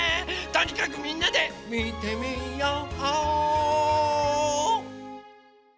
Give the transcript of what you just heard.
とにかくみんなで「みてみよう！」